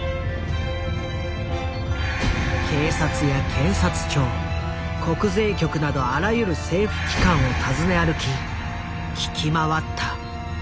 警察や検察庁国税局などあらゆる政府機関を訪ね歩き聞き回った。